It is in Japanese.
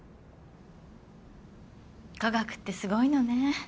科学ってすごいのね。